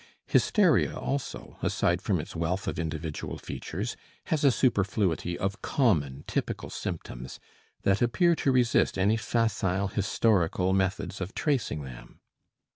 Hysteria also, aside from its wealth of individual features, has a superfluity of common typical symptoms that appear to resist any facile historical methods of tracing them.